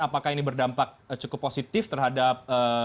apakah ini berdampak cukup positif terhadap